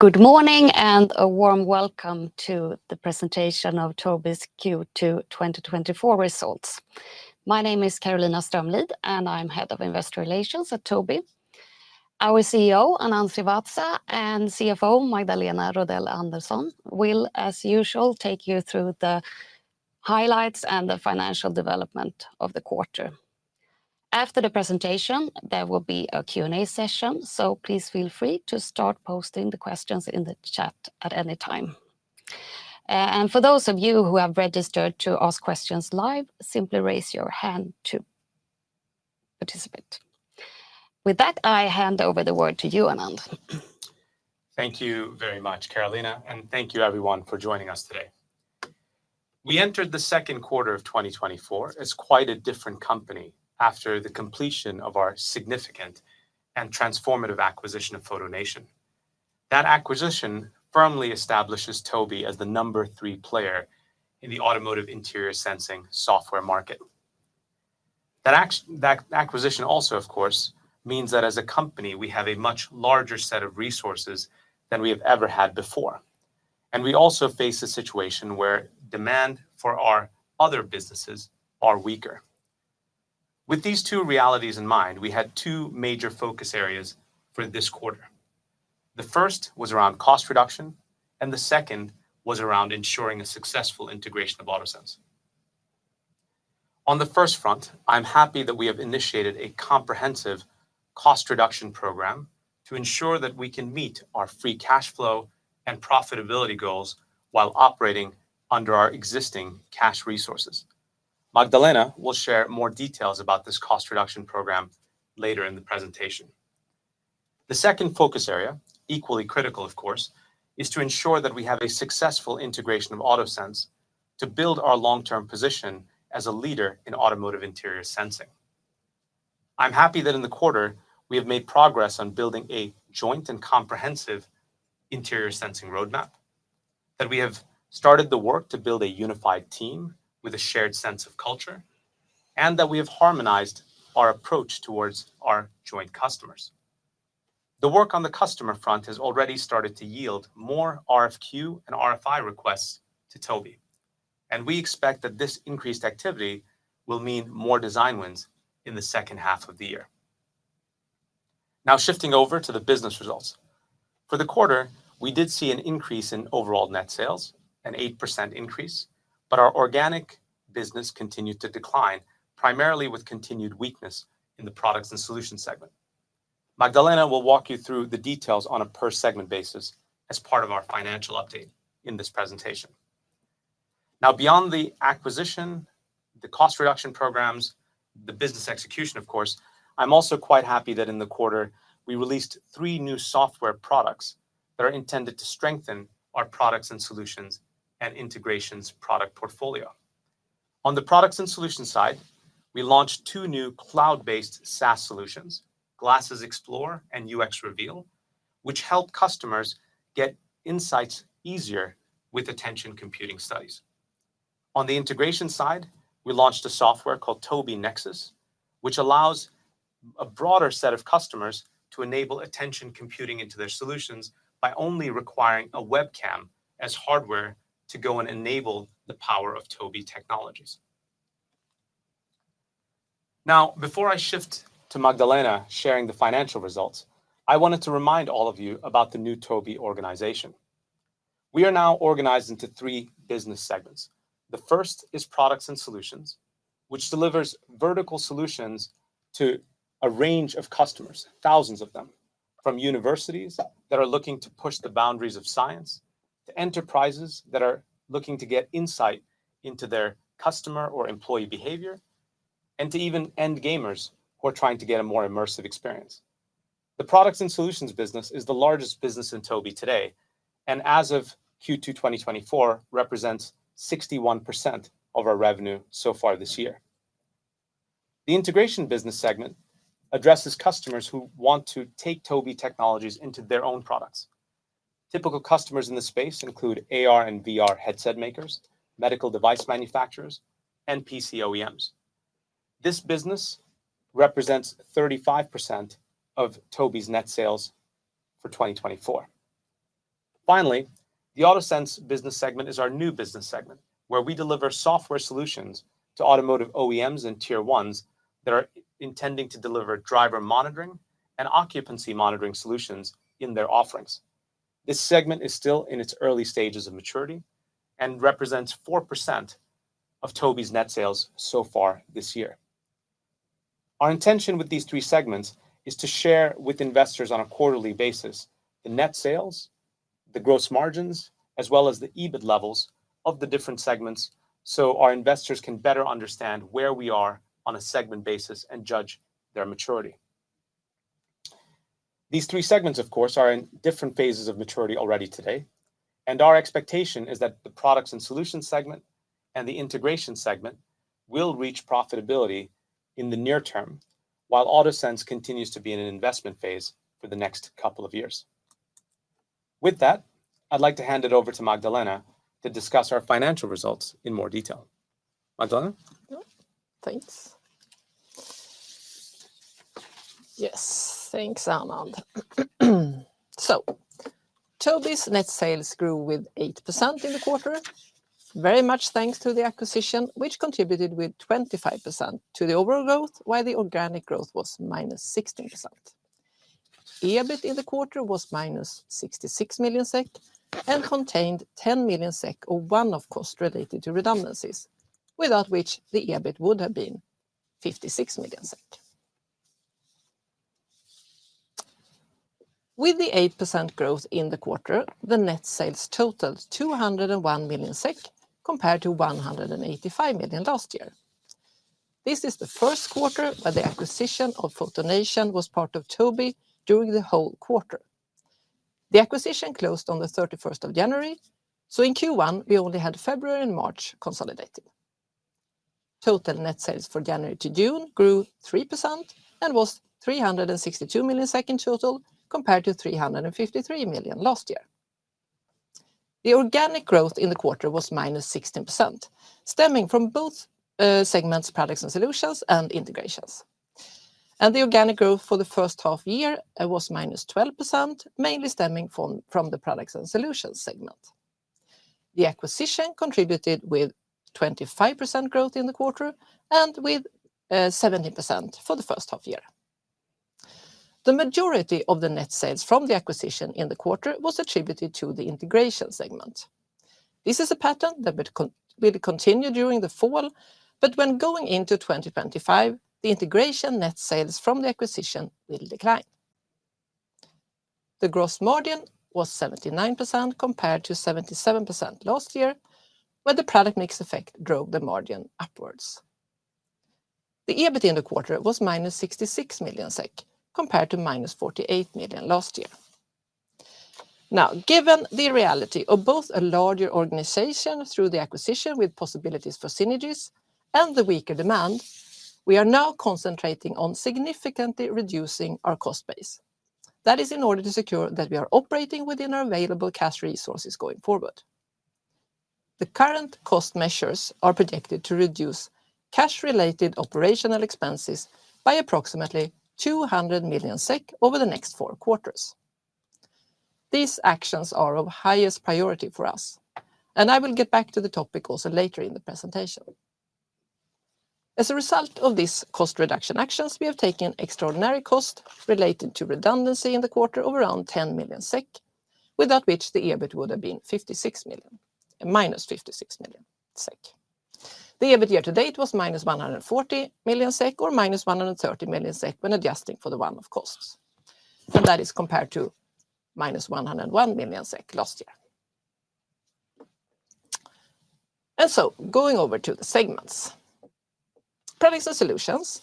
Good morning, and a warm welcome to the presentation of Tobii's Q2 2024 results. My name is Carolina Strömlid, and I'm Head of Investor Relations at Tobii. Our CEO, Anand Srivatsa, and CFO, Magdalena Rodell Andersson, will, as usual, take you through the highlights and the financial development of the quarter. After the presentation, there will be a Q&A session, so please feel free to start posting the questions in the chat at any time. And for those of you who have registered to ask questions live, simply raise your hand to participate. With that, I hand over the word to you, Anand. Thank you very much, Carolina, and thank you everyone for joining us today. We entered the second quarter of 2024 as quite a different company after the completion of our significant and transformative acquisition of FotoNation. That acquisition firmly establishes Tobii as the number three player in the automotive interior sensing software market. That acquisition also, of course, means that as a company, we have a much larger set of resources than we have ever had before, and we also face a situation where demand for our other businesses are weaker. With these two realities in mind, we had two major focus areas for this quarter. The first was around cost reduction, and the second was around ensuring a successful Integration of AutoSense. On the first front, I'm happy that we have initiated a comprehensive cost reduction program to ensure that we can meet our free cash flow and profitability goals while operating under our existing cash resources. Magdalena will share more details about this cost reduction program later in the presentation. The second focus area, equally critical, of course, is to ensure that we have a successful Integration of AutoSense to build our long-term position as a leader in automotive interior sensing. I'm happy that in the quarter, we have made progress on building a joint and comprehensive interior sensing roadmap, that we have started the work to build a unified team with a shared sense of culture, and that we have harmonized our approach towards our joint customers. The work on the customer front has already started to yield more RFQ and RFI requests to Tobii, and we expect that this increased activity will mean more design wins in the second half of the year. Now, shifting over to the business results. For the quarter, we did see an increase in overall net sales, an 8% increase, but our organic business continued to decline, primarily with continued weakness in the Products and Solutions segment. Magdalena will walk you through the details on a per-segment basis as part of our financial update in this presentation. Now, beyond the acquisition, the cost reduction programs, the business execution, of course, I'm also quite happy that in the quarter, we released three new software products that are intended to strengthen our Products and Solutions and Integrations product portfolio. On the Products and Solutions side, we launched two new cloud-based SaaS solutions, Glasses Explore and UX Reveal, which help customers get insights easier with attention computing studies. On the Integration side, we launched a software called Tobii Nexus, which allows a broader set of customers to enable attention computing into their solutions by only requiring a webcam as hardware to go and enable the power of Tobii technologies. Now, before I shift to Magdalena sharing the financial results, I wanted to remind all of you about the new Tobii organization. We are now organized into three business segments. The first is Products and Solutions, which delivers vertical solutions to a range of customers, thousands of them, from universities that are looking to push the boundaries of science, to enterprises that are looking to get insight into their customer or employee behavior, and to even end gamers who are trying to get a more immersive experience. The Products and Solutions business is the largest business in Tobii today, and as of Q2 2024, represents 61% of our revenue so far this year. The Integration business segment addresses customers who want to take Tobii technologies into their own products. Typical customers in this space include AR and VR headset makers, medical device manufacturers, and PC OEMs. This business represents 35% of Tobii's net sales for 2024. Finally, the AutoSense business segment is our new business segment, where we deliver software solutions to automotive OEMs and Tier 1s that are intending to deliver driver monitoring and occupancy monitoring solutions in their offerings. This segment is still in its early stages of maturity and represents 4% of Tobii's net sales so far this year. Our intention with these three segments is to share with investors on a quarterly basis the net sales, the gross margins, as well as the EBIT levels of the different segments, so our investors can better understand where we are on a segment basis and judge their maturity. These three segments, of course, are in different phases of maturity already today, and our expectation is that the Products and Solutions segment and the Integration segment will reach profitability in the near term, while AutoSense continues to be in an investment phase for the next couple of years. With that, I'd like to hand it over to Magdalena to discuss our financial results in more detail. Magdalena? Yeah. Thanks. Yes, thanks, Anand. So, Tobii's net sales grew with 8% in the quarter, very much thanks to the acquisition, which contributed with 25% to the overall growth, while the organic growth was -16%. EBIT in the quarter was -66 million SEK, and contained 10 million SEK, or one-off costs, related to redundancies, without which the EBIT would have been -56 million SEK. With the 8% growth in the quarter, the net sales totaled 201 million SEK, compared to 185 million last year. This is the first quarter that the acquisition of FotoNation was part of Tobii during the whole quarter. The acquisition closed on the 31st of January, so in Q1, we only had February and March consolidated. Total net sales for January to June grew 3% and was 362 million in total, compared to 353 million last year. The organic growth in the quarter was -16%, stemming from both segments, Products and Solutions, and Integrations. The organic growth for the first half year, it was -12%, mainly stemming from the Products and Solutions segment. The acquisition contributed with 25% growth in the quarter and with 17% for the first half year. The majority of the net sales from the acquisition in the quarter was attributed to the Integration segment. This is a pattern that will continue during the fall, but when going into 2025, the Integration net sales from the acquisition will decline. The gross margin was 79%, compared to 77% last year, where the product mix effect drove the margin upwards. The EBIT in the quarter was -66 million SEK, compared to -48 million last year. Now, given the reality of both a larger organization through the acquisition with possibilities for synergies and the weaker demand, we are now concentrating on significantly reducing our cost base. That is in order to secure that we are operating within our available cash resources going forward. The current cost measures are projected to reduce cash-related operational expenses by approximately 200 million SEK over the next four quarters. These actions are of highest priority for us, and I will get back to the topic also later in the presentation. As a result of these cost reduction actions, we have taken extraordinary cost related to redundancy in the quarter of around 10 million SEK, without which the EBIT would have been 56 million SEK... -56 million SEK. The EBIT year to date was -140 million SEK, or -130 million SEK when adjusting for the one-off costs, and that is compared to -101 million SEK last year. So going over to the segments. Products and Solutions,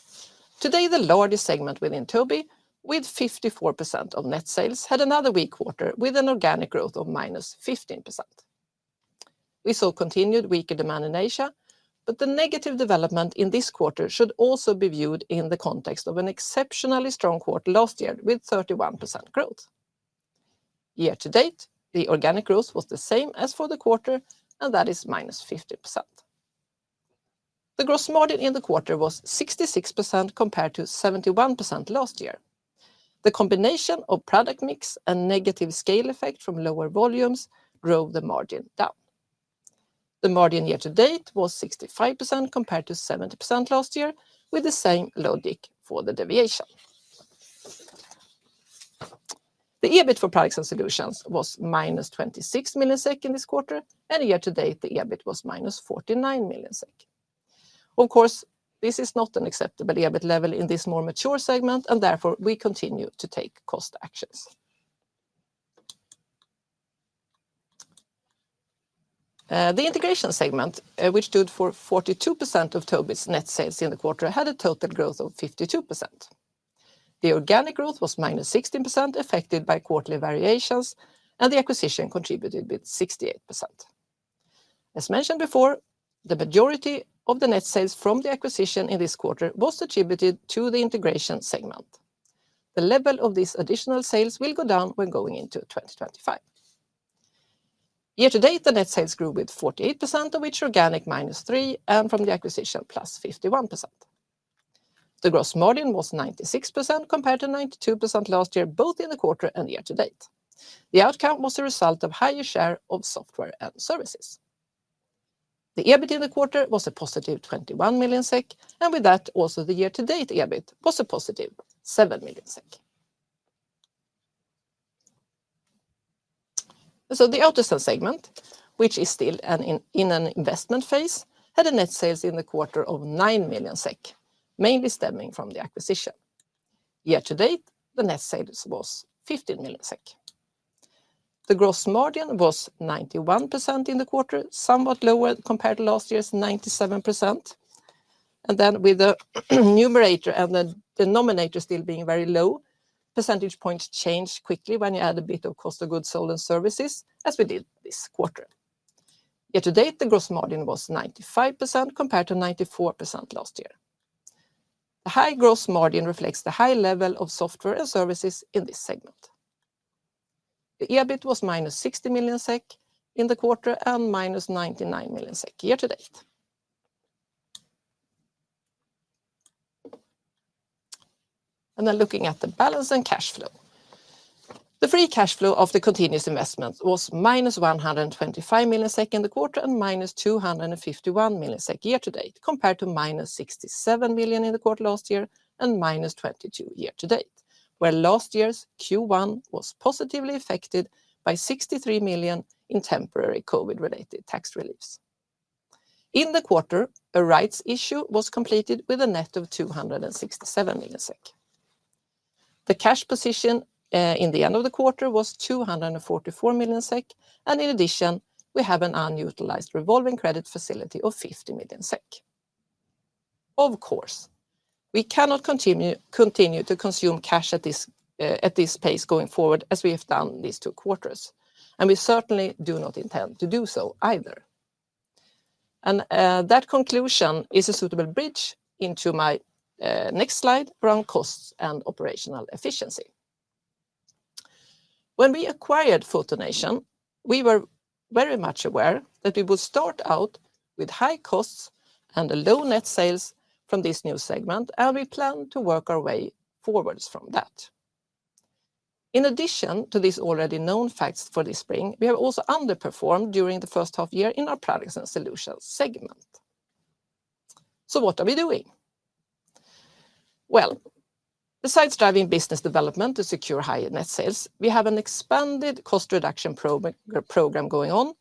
today, the largest segment within Tobii, with 54% of net sales, had another weak quarter with an organic growth of -15%. We saw continued weaker demand in Asia, but the negative development in this quarter should also be viewed in the context of an exceptionally strong quarter last year, with 31% growth. Year to date, the organic growth was the same as for the quarter, and that is -50%. The gross margin in the quarter was 66%, compared to 71% last year. The combination of product mix and negative scale effect from lower volumes drove the margin down. The margin year to date was 65%, compared to 70% last year, with the same logic for the deviation. The EBIT for Products and Solutions was -26 million SEK in this quarter, and year to date, the EBIT was -49 million SEK. Of course, this is not an acceptable EBIT level in this more mature segment, and therefore, we continue to take cost actions. The Integration segment, which stood for 42% of Tobii's net sales in the quarter, had a total growth of 52%. The organic growth was -16%, affected by quarterly variations, and the acquisition contributed with 68%. As mentioned before, the majority of the net sales from the acquisition in this quarter was attributed to the Integration segment. The level of these additional sales will go down when going into 2025. Year to date, the net sales grew with 48%, of which organic, -3%, and from the acquisition, +51%. The gross margin was 96%, compared to 92% last year, both in the quarter and year to date. The outcome was a result of higher share of software and services. The EBIT in the quarter was a +21 million SEK, and with that, also the year-to-date EBIT was a +7 million SEK. So the AutoSense segment, which is still in an investment phase, had net sales in the quarter of 9 million SEK, mainly stemming from the acquisition. Year to date, the net sales was 15 million SEK. The gross margin was 91% in the quarter, somewhat lower compared to last year's 97%. And then with the numerator and the denominator still being very low, percentage points change quickly when you add a bit of cost of goods sold and services, as we did this quarter. Year to date, the gross margin was 95%, compared to 94% last year. The high gross margin reflects the high level of software and services in this segment. The EBIT was minus 60 million SEK in the quarter, and minus 99 million SEK year to date. And then looking at the balance and cash flow. The free cash flow of the continuous investment was -125 million in the quarter, and -251 million year to date, compared to -67 million in the quarter last year, and -22 million year to date, where last year's Q1 was positively affected by 63 million in temporary COVID-related tax reliefs. In the quarter, a rights issue was completed with a net of 267 million SEK. The cash position in the end of the quarter was 244 million SEK, and in addition, we have an unutilized revolving credit facility of 50 million SEK. Of course, we cannot continue to consume cash at this pace going forward, as we have done these two quarters, and we certainly do not intend to do so either. That conclusion is a suitable bridge into my next slide around costs and operational efficiency. When we acquired FotoNation, we were very much aware that we would start out with high costs and a low net sales from this new segment, and we plan to work our way forwards from that. In addition to these already known facts for this spring, we have also underperformed during the first half year in our Products and Solutions segment. What are we doing? Well, besides driving business development to secure higher net sales, we have an expanded cost reduction program going on,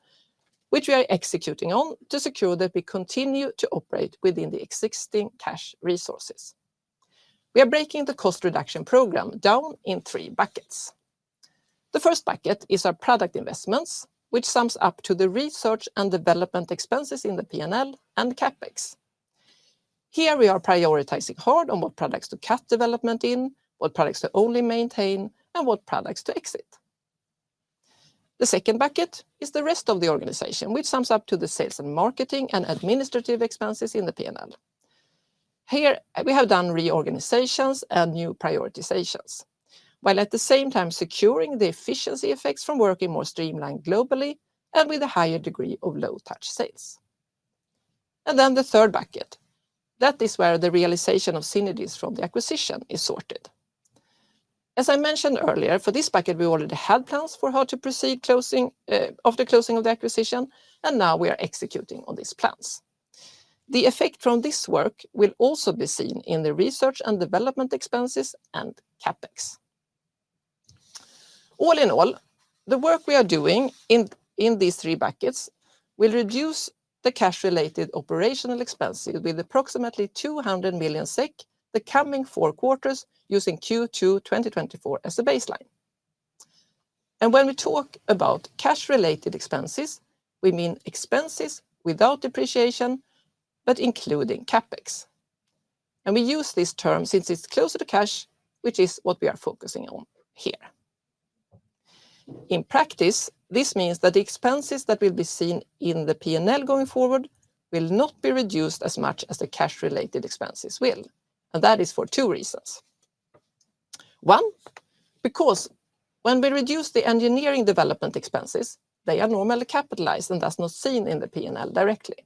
which we are executing on to secure that we continue to operate within the existing cash resources. We are breaking the cost reduction program down in three buckets. The first bucket is our product investments, which sums up to the research and development expenses in the P&L and CapEx. Here, we are prioritizing hard on what products to cut development in, what products to only maintain, and what products to exit. The second bucket is the rest of the organization, which sums up to the sales and marketing and administrative expenses in the P&L. Here, we have done reorganizations and new prioritizations, while at the same time securing the efficiency effects from working more streamlined globally and with a higher degree of low-touch sales. And then the third bucket, that is where the realization of synergies from the acquisition is sorted. As I mentioned earlier, for this bucket, we already had plans for how to proceed closing, after closing of the acquisition, and now we are executing on these plans. The effect from this work will also be seen in the research and development expenses and CapEx. All in all, the work we are doing in these three buckets will reduce the cash-related operational expenses with approximately 200 million SEK the coming four quarters, using Q2 2024 as a baseline. When we talk about cash-related expenses, we mean expenses without depreciation, but including CapEx, and we use this term since it's closer to cash, which is what we are focusing on here. In practice, this means that the expenses that will be seen in the P&L going forward will not be reduced as much as the cash-related expenses will, and that is for two reasons. One, because when we reduce the engineering development expenses, they are normally capitalized and thus not seen in the P&L directly.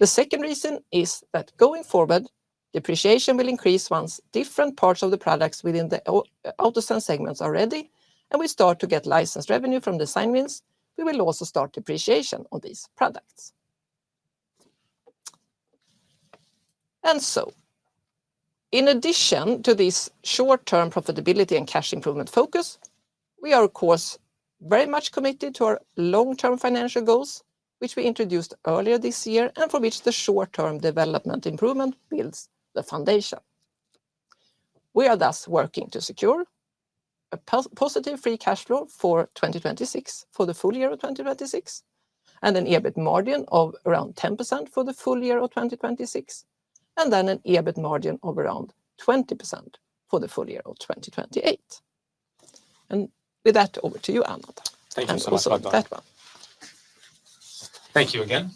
The second reason is that going forward, depreciation will increase once different parts of the products within the AutoSense segments are ready, and we start to get license revenue from the design wins, we will also start depreciation on these products. So in addition to this short-term profitability and cash improvement focus, we are, of course, very much committed to our long-term financial goals, which we introduced earlier this year, and for which the short-term development improvement builds the foundation. We are thus working to secure a positive free cash flow for 2026, for the full year of 2026, and an EBIT margin of around 10% for the full year of 2026, and then an EBIT margin of around 20% for the full year of 2028. And with that, over to you, Anand. Thank you so much, Magdalena. And also that one. Thank you again.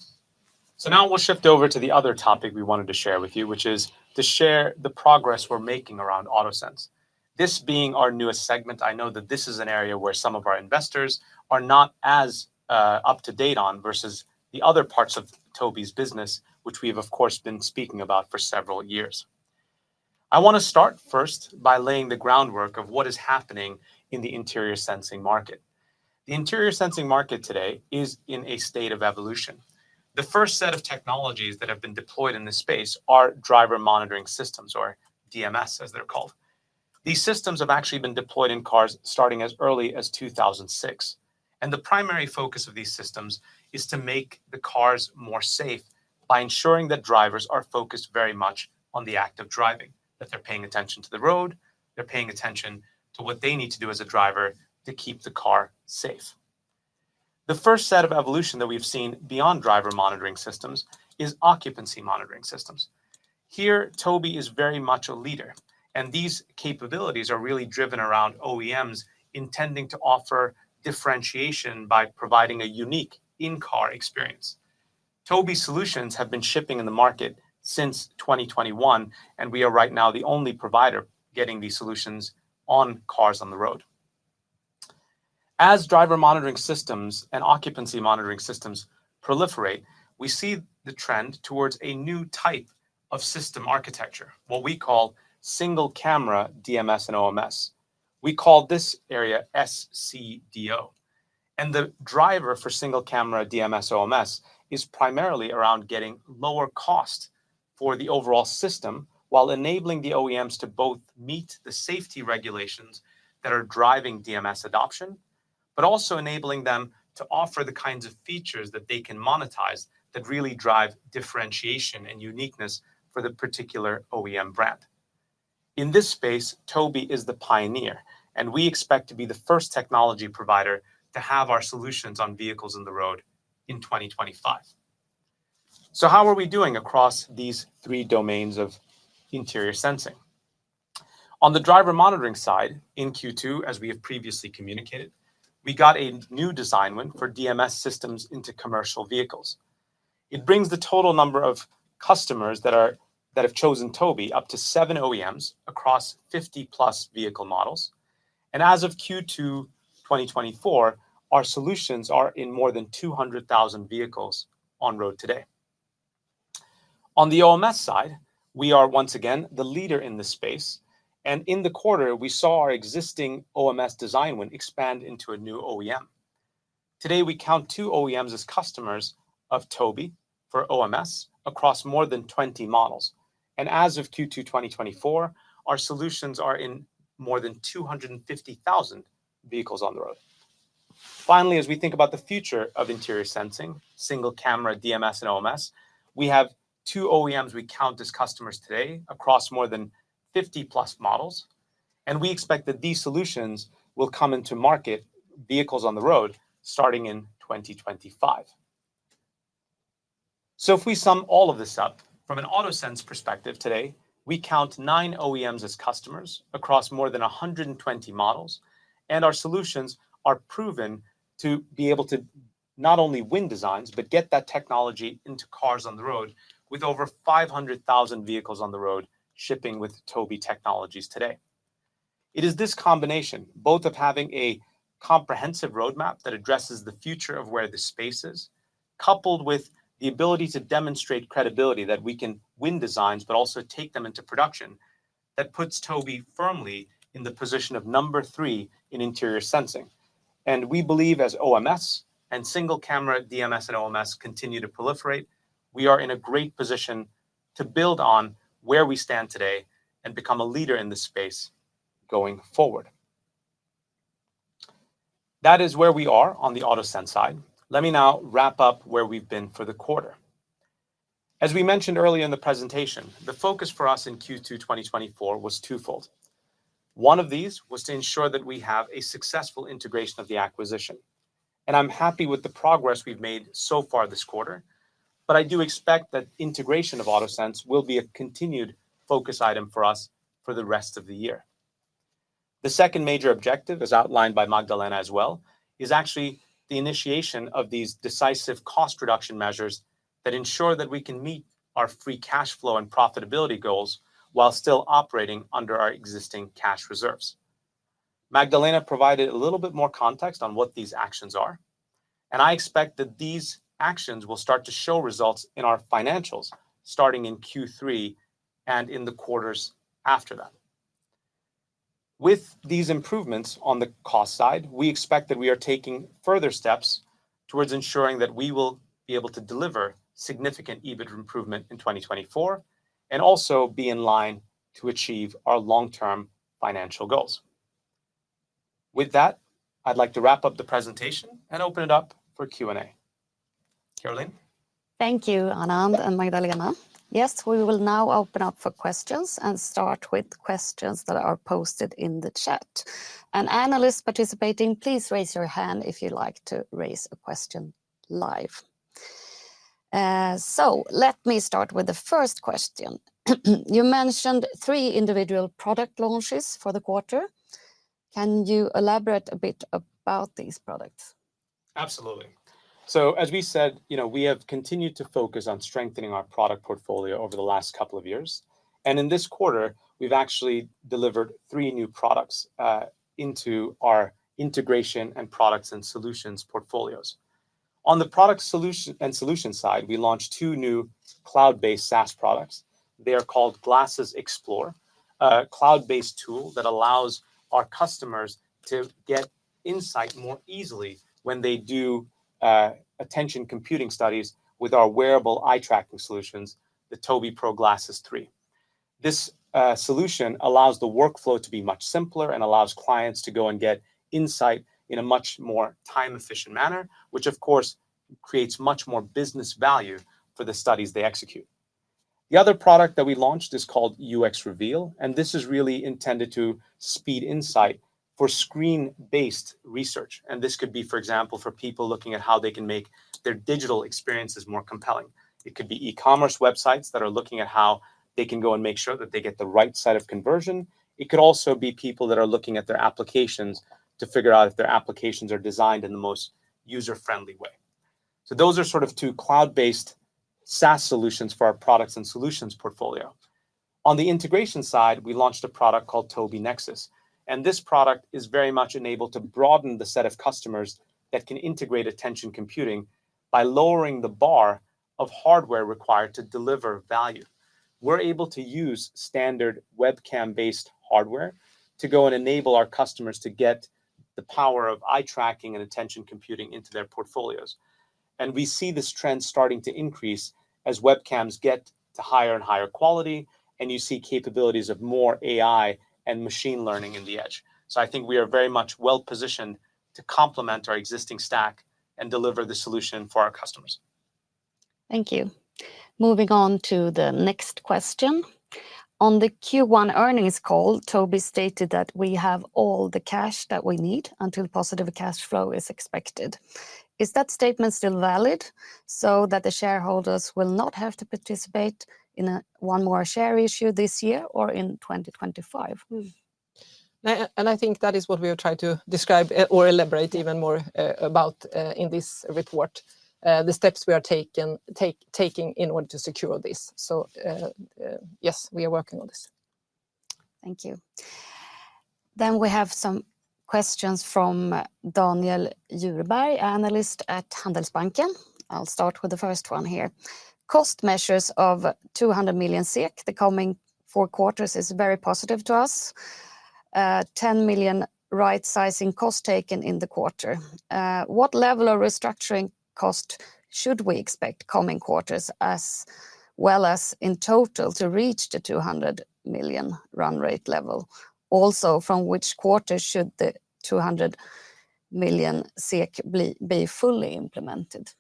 So now we'll shift over to the other topic we wanted to share with you, which is to share the progress we're making around AutoSense. This being our newest segment, I know that this is an area where some of our investors are not as up to date on versus the other parts of Tobii's business, which we've, of course, been speaking about for several years. I want to start first by laying the groundwork of what is happening in the interior sensing market. The interior sensing market today is in a state of evolution. The first set of technologies that have been deployed in this space are driver monitoring systems, or DMS, as they're called. These systems have actually been deployed in cars starting as early as 2006, and the primary focus of these systems is to make the cars more safe by ensuring that drivers are focused very much on the act of driving, that they're paying attention to the road, they're paying attention to what they need to do as a driver to keep the car safe. The first set of evolution that we've seen beyond driver monitoring systems is occupancy monitoring systems. Here, Tobii is very much a leader, and these capabilities are really driven around OEMs intending to offer differentiation by providing a unique in-car experience.... Tobii solutions have been shipping in the market since 2021, and we are right now the only provider getting these solutions on cars on the road. As driver monitoring systems and occupancy monitoring systems proliferate, we see the trend towards a new type of system architecture, what we call single camera DMS and OMS. We call this area SCDO, and the driver for single camera DMS, OMS is primarily around getting lower cost for the overall system, while enabling the OEMs to both meet the safety regulations that are driving DMS adoption, but also enabling them to offer the kinds of features that they can monetize, that really drive differentiation and uniqueness for the particular OEM brand. In this space, Tobii is the pioneer, and we expect to be the first technology provider to have our solutions on vehicles on the road in 2025. So how are we doing across these three domains of interior sensing? On the driver monitoring side, in Q2, as we have previously communicated, we got a new design win for DMS systems into commercial vehicles. It brings the total number of customers that have chosen Tobii up to seven OEMs across 50+ vehicle models. As of Q2 2024, our solutions are in more than 200,000 vehicles on road today. On the OMS side, we are once again the leader in this space, and in the quarter we saw our existing OMS design win expand into a new OEM. Today, we count two OEMs as customers of Tobii for OMS across more than 20 models, and as of Q2 2024, our solutions are in more than 250,000 vehicles on the road. Finally, as we think about the future of interior sensing, single camera DMS and OMS, we have two OEMs we count as customers today across more than 50+ models, and we expect that these solutions will come into market, vehicles on the road, starting in 2025. So if we sum all of this up, from an AutoSense perspective today, we count nine OEMs as customers across more than 120 models, and our solutions are proven to be able to not only win designs, but get that technology into cars on the road, with over 500,000 vehicles on the road shipping with Tobii technologies today. It is this combination, both of having a comprehensive roadmap that addresses the future of where the space is, coupled with the ability to demonstrate credibility, that we can win designs but also take them into production, that puts Tobii firmly in the position of number three in interior sensing. We believe as OMS and single camera DMS and OMS continue to proliferate, we are in a great position to build on where we stand today and become a leader in this space going forward. That is where we are on the AutoSense side. Let me now wrap up where we've been for the quarter. As we mentioned earlier in the presentation, the focus for us in Q2 2024 was twofold. One of these was to ensure that we have a successful integration of the acquisition, and I'm happy with the progress we've made so far this quarter. I do expect that Integration of AutoSense will be a continued focus item for us for the rest of the year. The second major objective, as outlined by Magdalena as well, is actually the initiation of these decisive cost reduction measures that ensure that we can meet our free cash flow and profitability goals, while still operating under our existing cash reserves. Magdalena provided a little bit more context on what these actions are, and I expect that these actions will start to show results in our financials starting in Q3 and in the quarters after that. With these improvements on the cost side, we expect that we are taking further steps towards ensuring that we will be able to deliver significant EBIT improvement in 2024, and also be in line to achieve our long-term financial goals. With that, I'd like to wrap up the presentation and open it up for Q&A. Carolina? Thank you, Anand and Magdalena. Yes, we will now open up for questions and start with questions that are posted in the chat. Analysts participating, please raise your hand if you'd like to raise a question live. So let me start with the first question. You mentioned three individual product launches for the quarter. Can you elaborate a bit about these products? Absolutely. So as we said, you know, we have continued to focus on strengthening our product portfolio over the last couple of years, and in this quarter, we've actually delivered three new products into our Integration and Products and Solutions portfolios. On the Product and Solutions side, we launched two new cloud-based SaaS products. They are called Glasses Explore, a cloud-based tool that allows our customers to get insight more easily when they do attention computing studies with our wearable eye-tracking solutions, the Tobii Pro Glasses 3. This solution allows the workflow to be much simpler and allows clients to go and get insight in a much more time-efficient manner. Which, of course, creates much more business value for the studies they execute. The other product that we launched is called UX Reveal, and this is really intended to speed insight for screen-based research, and this could be, for example, for people looking at how they can make their digital experiences more compelling. It could be e-commerce websites that are looking at how they can go and make sure that they get the right side of conversion. It could also be people that are looking at their applications to figure out if their applications are designed in the most user-friendly way. So those are sort of two cloud-based SaaS solutions for our Products and Solutions portfolio. On the Integration side, we launched a product called Tobii Nexus, and this product is very much enabled to broaden the set of customers that can integrate attention computing by lowering the bar of hardware required to deliver value. We're able to use standard webcam-based hardware to go and enable our customers to get the power of eye tracking and attention computing into their portfolios. And we see this trend starting to increase as webcams get to higher and higher quality, and you see capabilities of more AI and machine learning in the edge. So I think we are very much well-positioned to complement our existing stack and deliver the solution for our customers. Thank you. Moving on to the next question. On the Q1 earnings call, Tobii stated that we have all the cash that we need until positive cash flow is expected. Is that statement still valid so that the shareholders will not have to participate in one more share issue this year or in 2025? And I think that is what we will try to describe or elaborate even more about in this report, the steps we are taking in order to secure this. So yes, we are working on this. Thank you. Then we have some questions from Daniel Djurberg, analyst at Handelsbanken. I'll start with the first one here. Cost measures of 200 million SEK the coming four quarters is very positive to us. 10 million right sizing cost taken in the quarter. What level of restructuring cost should we expect coming quarters, as well as in total to reach the 200 million run rate level? Also, from which quarter should the 200 million SEK be, be fully implemented?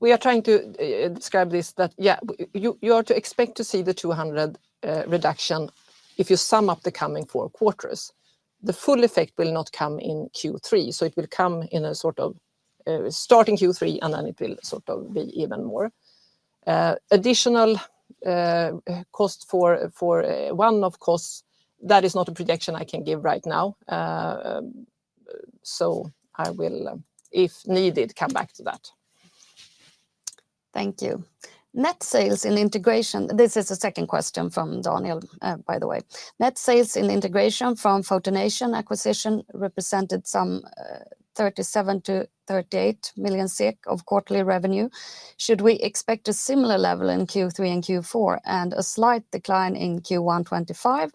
We are trying to describe this, that, yeah, you, you are to expect to see the 200 reduction if you sum up the coming four quarters. The full effect will not come in Q3, so it will come in a sort of starting Q3, and then it will sort of be even more. Additional cost for, for one, of course, that is not a projection I can give right now. So I will, if needed, come back to that. Thank you. Net sales in Integration... This is the second question from Daniel, by the way. Net sales in Integration from FotoNation acquisition represented some 37 million-38 million SEK of quarterly revenue. Should we expect a similar level in Q3 and Q4, and a slight decline in Q1 2025,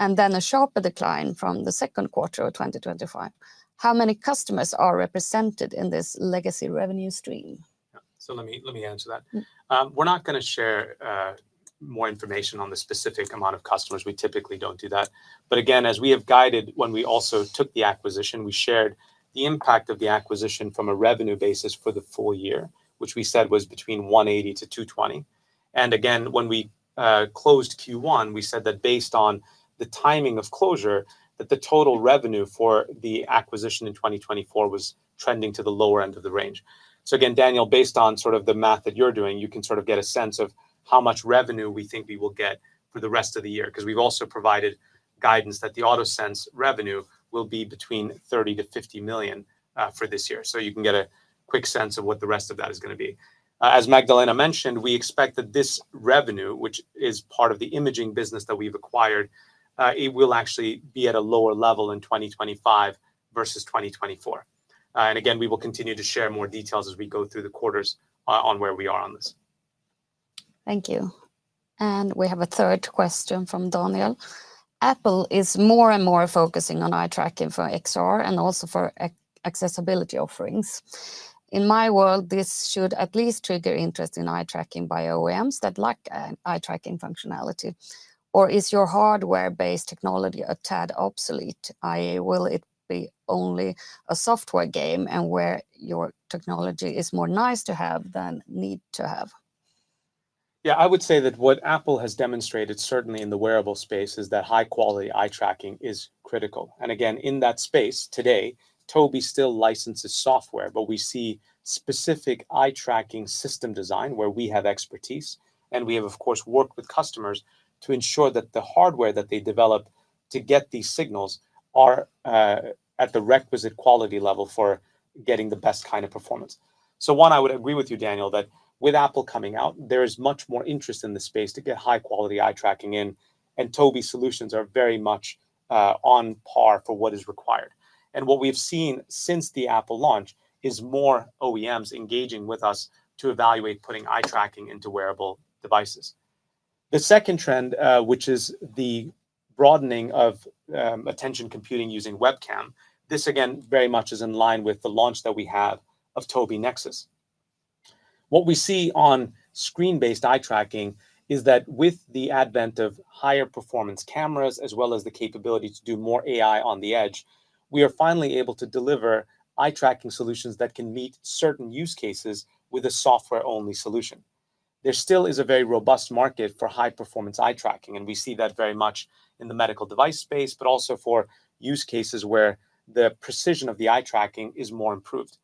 and then a sharper decline from the second quarter of 2025? How many customers are represented in this legacy revenue stream? Yeah, so let me, let me answer that. We're not going to share more information on the specific amount of customers. We typically don't do that. But again, as we have guided, when we also took the acquisition, we shared the impact of the acquisition from a revenue basis for the full year, which we said was between 180 million-220 million. And again, when we closed Q1, we said that based on the timing of closure, that the total revenue for the acquisition in 2024 was trending to the lower end of the range. So again, Daniel, based on sort of the math that you're doing, you can sort of get a sense of how much revenue we think we will get for the rest of the year, 'cause we've also provided guidance that the AutoSense revenue will be between 30 million-50 million for this year. So you can get a quick sense of what the rest of that is going to be. As Magdalena mentioned, we expect that this revenue, which is part of the imaging business that we've acquired, it will actually be at a lower level in 2025 versus 2024. And again, we will continue to share more details as we go through the quarters, on where we are on this. Thank you. We have a third question from Daniel. Apple is more and more focusing on eye tracking for XR and also for accessibility offerings. In my world, this should at least trigger interest in eye tracking by OEMs that lack an eye tracking functionality, or is your hardware-based technology a tad obsolete, i.e., will it be only a software game and where your technology is more nice to have than need to have? Yeah, I would say that what Apple has demonstrated, certainly in the wearable space, is that high-quality eye tracking is critical. And again, in that space today, Tobii still licenses software, but we see specific eye tracking system design where we have expertise, and we have, of course, worked with customers to ensure that the hardware that they develop to get these signals are at the requisite quality level for getting the best kind of performance. So one, I would agree with you, Daniel, that with Apple coming out, there is much more interest in this space to get high-quality eye tracking in, and Tobii solutions are very much on par for what is required. And what we have seen since the Apple launch is more OEMs engaging with us to evaluate putting eye tracking into wearable devices. The second trend, which is the broadening of attention computing using webcam, this again, very much is in line with the launch that we have of Tobii Nexus. What we see on screen-based eye tracking is that with the advent of higher performance cameras, as well as the capability to do more AI on the edge, we are finally able to deliver eye tracking solutions that can meet certain use cases with a software-only solution. There still is a very robust market for high-performance eye tracking, and we see that very much in the medical device space, but also for use cases where the precision of the eye tracking is more improved.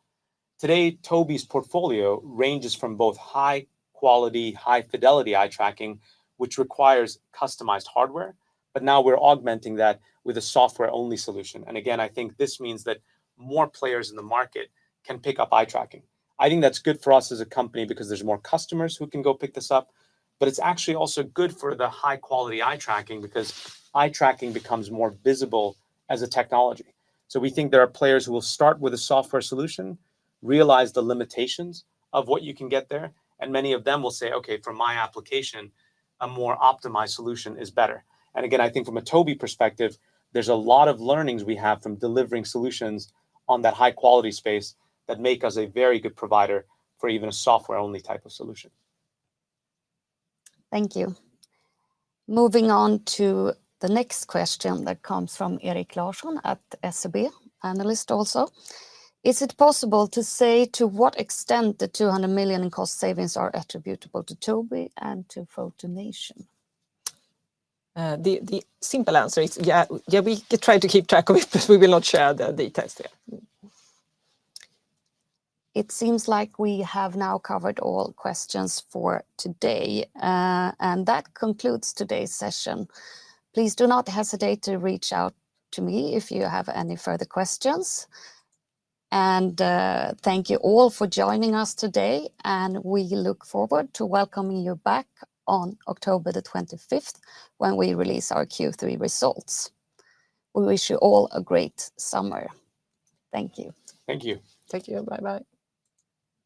Today, Tobii's portfolio ranges from both high quality, high fidelity eye tracking, which requires customized hardware, but now we're augmenting that with a software-only solution. And again, I think this means that more players in the market can pick up eye tracking. I think that's good for us as a company because there's more customers who can go pick this up, but it's actually also good for the high-quality eye tracking, because eye tracking becomes more visible as a technology. So we think there are players who will start with a software solution, realize the limitations of what you can get there, and many of them will say, "Okay, for my application, a more optimized solution is better." And again, I think from a Tobii perspective, there's a lot of learnings we have from delivering solutions on that high-quality space that make us a very good provider for even a software-only type of solution. Thank you. Moving on to the next question that comes from Erik Larsson at SEB, analyst also: Is it possible to say to what extent the 200 million in cost savings are attributable to Tobii and to FotoNation? The simple answer is, yeah, yeah, we try to keep track of it, but we will not share the details, yeah. It seems like we have now covered all questions for today, and that concludes today's session. Please do not hesitate to reach out to me if you have any further questions. Thank you all for joining us today, and we look forward to welcoming you back on October the 25th, when we release our Q3 results. We wish you all a great summer. Thank you. Thank you. Thank you. Bye-bye.